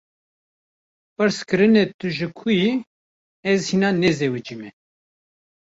Pirs kirine tu ji ku yî, ‘ez hîna nezewujime’